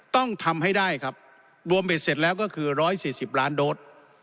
ต้องทำให้ได้ครับรวมเบ็ดเสร็จแล้วก็คือ๑๔๐ล้านโดส